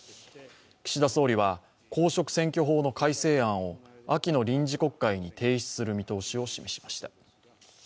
岸田総理は、公職選挙法の改正案を秋の臨時国会に提出する見通しを示しました。